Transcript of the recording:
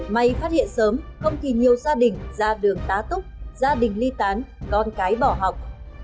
may phát hiện sớm không kỳ nhiều gia đình ra đường tá túc gia đình ly tán con cái bỏ học